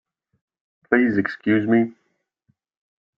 Please excuse me.